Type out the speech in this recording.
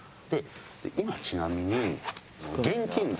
今ちなみに。